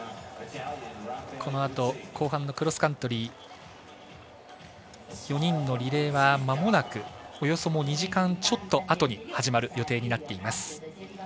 後半のクロスカントリー４人のリレーはまもなくおよそ２時間ちょっとあとに始まる予定になっています。